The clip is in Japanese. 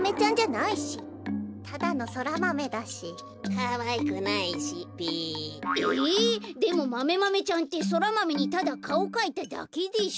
かわいくないしべ。え！？でもマメマメちゃんってソラマメにただかおかいただけでしょ。